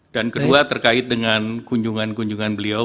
dan kedua terkait dengan kunjungan kunjungan beliau